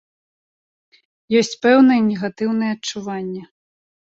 Ёсць пэўныя негатыўныя адчуванні.